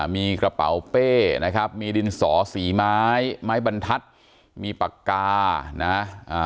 มีกระเป๋าเป้นะครับมีดินสอสีไม้ไม้บรรทัศน์มีปากกานะอ่า